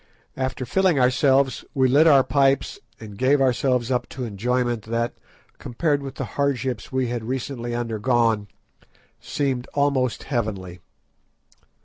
After filling ourselves, we lit our pipes and gave ourselves up to enjoyment that, compared with the hardships we had recently undergone, seemed almost heavenly.